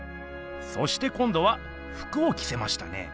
そして今どはふくをきせましたね。